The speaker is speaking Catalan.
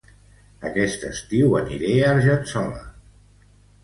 Aquest estiu aniré a Argençola